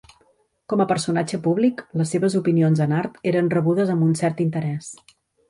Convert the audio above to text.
Com a personatge públic, les seves opinions en art eren rebudes amb un cert interés.